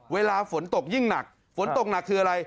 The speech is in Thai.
เวลาฝนตกยิ่งหนักฝนตกหนักคืออะไร